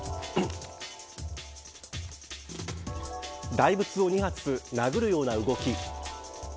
大仏を２発、殴るような動き。